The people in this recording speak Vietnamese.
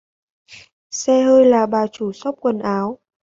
Xe hơi là bà chủ shop quần áo